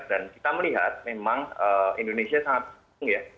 dan kita melihat memang indonesia sangat sungguh ya